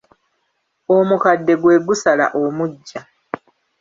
Omukadde gwe gusala omuggya.